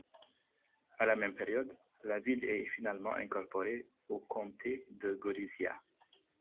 À la même période, la ville est finalement incorporée au comté de Gorizia.